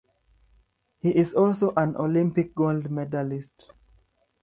He is also an Olympic Gold Medalist.